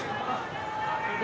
ya kami tersambung kembali